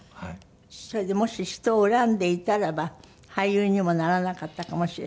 それでもし人を恨んでいたらば俳優にもならなかったかもしれない？